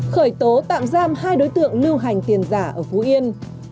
khởi tố tạm giam hai đối tượng lưu hành tiền giả ở phú yên